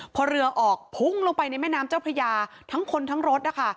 พอเรือออกพุ่งลงไปในแม่น้ำเจ้าพระยาทั้งคนทั้งรถนะคะ